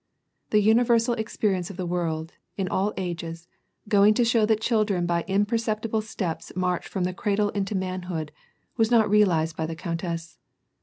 The universal experience of the world in all ages, going to show that children by imperceptible steps march from the cradle into manhood, was not realized by the countess.